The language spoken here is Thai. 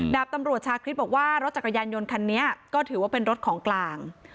ดาบตำรวจชาคริสบอกว่ารถจักรยานยนต์คันนี้ก็ถือว่าเป็นรถของกลาง